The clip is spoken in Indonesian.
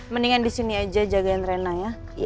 mendingan di sini aja jagain rena ya